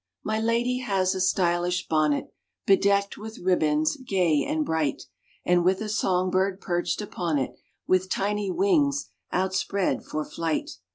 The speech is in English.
My lady has a stylish bonnet, Bedecked with ribands, gay and bright, And with a song bird perched upon it, With tiny wings outspread for flight.